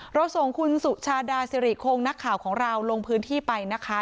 เราส่งคุณสุชาดาสิริคงนักข่าวของเราลงพื้นที่ไปนะคะ